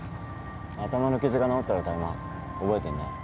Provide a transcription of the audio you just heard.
頭の傷が治ったらタイマン覚えてんな？